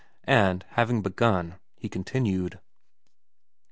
And having begun, he continued.